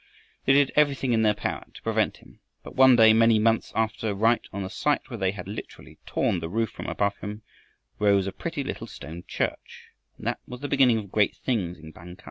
They did everything in their power to prevent him, but one day, many months after, right on the site where they had literally torn the roof from above him, arose a pretty little stone church, and that was the beginning of great things in Bang kah.